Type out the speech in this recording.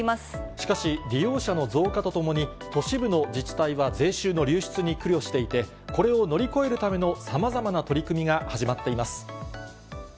しかし、利用者の増加とともに、都市部の自治体は税収の流出に苦慮していて、これを乗り越えるためのさまざまな取り組みが始まっています。